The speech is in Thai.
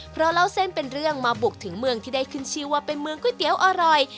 เพราะเล่าเส้นเป็นเรื่องมาบุกถึงเมืองที่ได้ขึ้นชื่อว่าเป็นเมืองก๋วยเตี๋ยวอร่อย